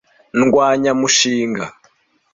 Ndwanya mushinga.